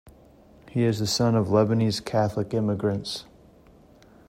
He is the son of Lebanese Catholic immigrants.